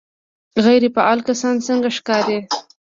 غیر فعال کس څنګه ښکاري